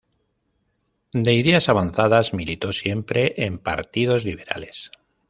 De ideas avanzadas, militó siempre en partidos liberales.